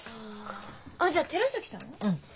あっじゃあ寺崎さんは？うん。